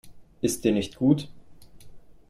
Ist dir nicht gut?